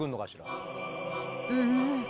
うん。